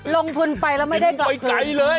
ลงทุนไปแล้วไม่ได้กลับไปไกลเลย